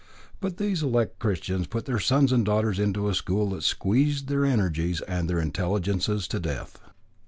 But these elect Christians put their sons and daughters into a school that squeezed their energies and their intelligences to death.